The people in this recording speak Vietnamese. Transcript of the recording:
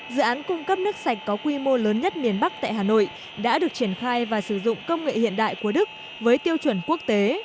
dự án cung cấp nước sạch có quy mô lớn nhất miền bắc tại hà nội đã được triển khai và sử dụng công nghệ hiện đại của đức với tiêu chuẩn quốc tế